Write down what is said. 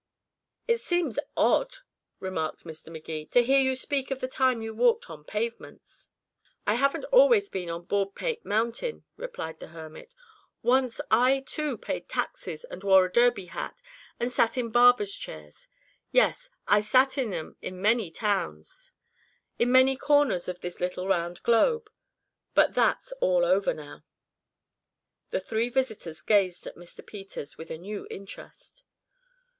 '" "It seems odd," remarked Mr. Magee, "to hear you speak of the time you walked on pavements." "I haven't always been on Baldpate Mountain," replied the hermit. "Once I, too, paid taxes and wore a derby hat and sat in barbers' chairs. Yes, I sat in 'em in many towns, in many corners of this little round globe. But that's all over now." The three visitors gazed at Mr. Peters with a new interest.